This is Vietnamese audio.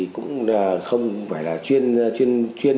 cũng không phải là chuyên